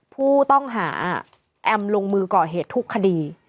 ผู้ต้องหาแอมลงมือก่อเหตุทุกคดี